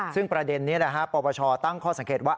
ซึ่งประเด็นนี้ปปชตั้งข้อสังเกตว่า